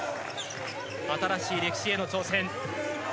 新しい歴史への挑戦。